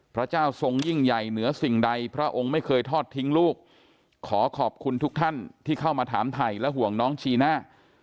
พระเจ้าทรงยิ่งใหญ่เหนือสิ่งใดพระองค์ไม่เคยทอดทิ้งลูกขอขอบคุณทุกท่านที่เข้ามาถามไทยและห่วงน้องจีน่า